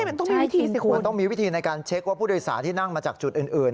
มันต้องมีวิธีสิคุณมันต้องมีวิธีในการเช็คว่าผู้โดยสารที่นั่งมาจากจุดอื่นอื่น